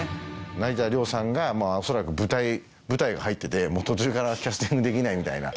成田凌さんが恐らく舞台が入ってて途中からキャスティングできないみたいな。